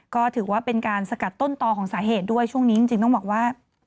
ก็ถือว่าเป็นการสกัดต้นต่อของสาเหตุด้วยช่วงนี้จริงต้องบอกว่า